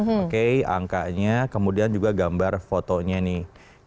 oke angkanya kemudian juga gambar fotonya nih